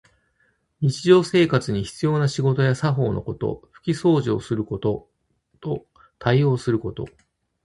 日常生活に必要な仕事や作法のこと。ふきそうじをすることと、応対すること。